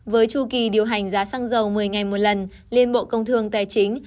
với chu kỳ điều hành giá xăng dầu một mươi ngày một lần liên bộ công thương tài chính